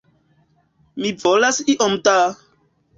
Mi volas iom da!